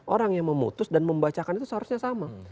orang yang memutus dan membacakan itu seharusnya sama